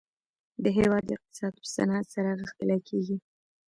د هیواد اقتصاد په صنعت سره غښتلی کیږي